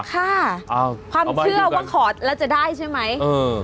ค่ะความเชื่อว่าขอแล้วจะได้ใช่ไหม